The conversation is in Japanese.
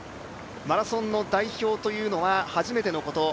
マラソンの代表というのは初めてのこと。